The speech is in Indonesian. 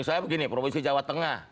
saya begini provinsi jawa tengah